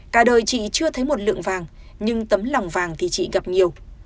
cả đời chị chưa thấy một lượng vàng nhưng tấm lòng vàng thì chị gặp nhiều